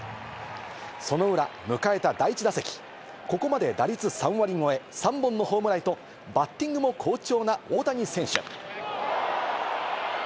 その裏、迎えた第１打席、ここまで打率３割超え、３本のホームランとバッティングも好調な大谷選手。